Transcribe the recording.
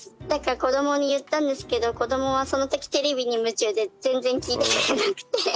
だから子どもに言ったんですけど子どもはその時テレビに夢中で全然聞いてくれなくて。